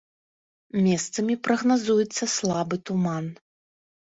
Месцамі прагназуецца слабы туман.